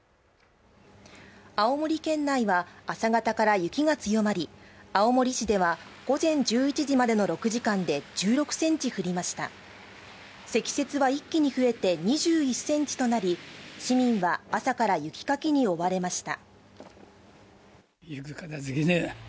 青森県内は朝方から雪が強まり青森市では午前１１時までの６時間で１６センチ降りました積雪は一気に増えて２１センチとなり市民は朝から雪かきに追われました